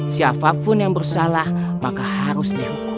siapapun yang bersalah maka harus dihukum